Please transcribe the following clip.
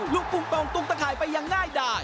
ลูกปุบบองตุ๊กตะขายไปยังง่ายได้